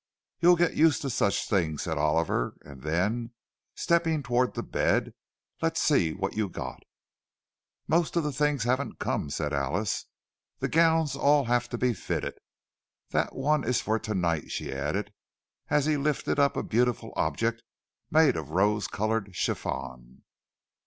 "You'll get used to such things," said Oliver; and then, stepping toward the bed, "Let's see what you got." "Most of the things haven't come," said Alice. "The gowns all have to be fitted.—That one is for to night," she added, as he lifted up a beautiful object made of rose coloured chiffon.